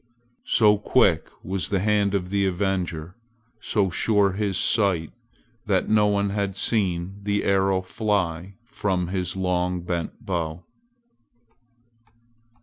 So quick was the hand of the avenger, so sure his sight, that no one had seen the arrow fly from his long bent bow.